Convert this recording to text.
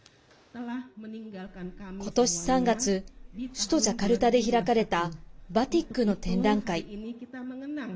ことし３月首都ジャカルタで開かれたバティックの展覧会。